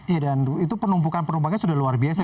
iya dan itu penumpukan penumpangnya sudah luar biasa